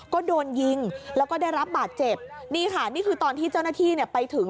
ก็โดนยิงแล้วก็ได้รับบาดเจ็บนี่ค่ะนี่คือตอนที่เจ้าหน้าที่เนี่ยไปถึง